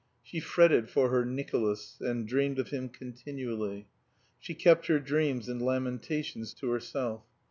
She fretted for her "Nicolas" and dreamed of him continually. She kept her dreams and lamentations to herself.